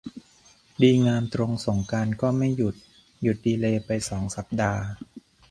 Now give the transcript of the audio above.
ดีงามตรงสงกรานต์ก็ไม่หยุด หยุดดีเลย์ไปสองสัปดาห์